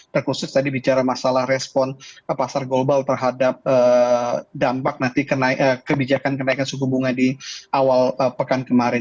terkhusus tadi bicara masalah respon pasar global terhadap dampak nanti kebijakan kenaikan suku bunga di awal pekan kemarin